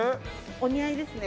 お似合いですね